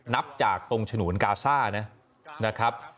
นับจากตรงฉนวนกาซ่านะครับ